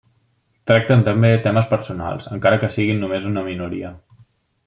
Tracten també, temes personals, encara que siguin només una minoria.